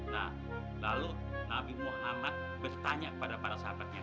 nah lalu nabi muhammad bertanya kepada para sahabatnya